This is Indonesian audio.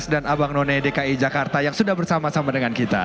dan abang none dki jakarta yang sudah bersama sama dengan kita